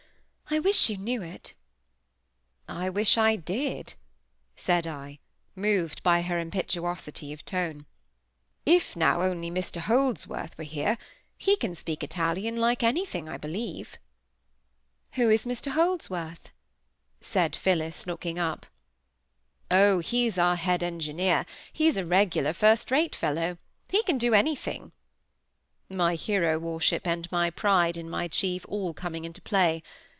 I wish you knew it." "I wish I did," said I, moved by her impetuosity of tone. "If, now, only Mr Holdsworth were here; he can speak Italian like anything, I believe." "Who is Mr Holdsworth?" said Phillis, looking up. "Oh, he's our head engineer. He's a regular first rate fellow! He can do anything;" my hero worship and my pride in my chief all coming into play.